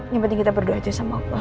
yang penting kita berdoa aja sama allah